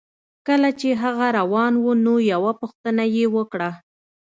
کله چې هغه روان و نو یوه پوښتنه یې وکړه